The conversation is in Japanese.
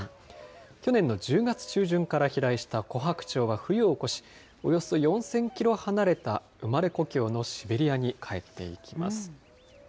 去年の１０月中旬から飛来したコハクチョウは冬を越し、およそ４０００キロ離れた、生まれ故郷のシベリアに帰っていきます。